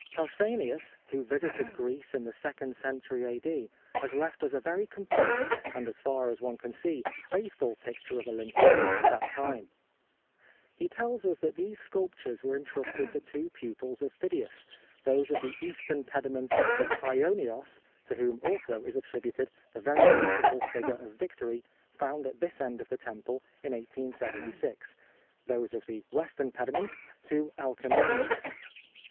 Pau sanias, who visited Greece in tin second century A.D., has left us a very complete, and, as far as one can see, faithful picture of Olympia at that time. He tells us that these sculptures were intrusted to two pupils of Phidias : those of the east ern pediment to Paionios, to whom also is attributed the very beautiful figure of Victory, found at this end of the temple in 1876 ; those of the western pediment, to Alkamenes.